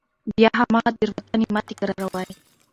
بیا هماغه تېروتنې مه تکراروئ.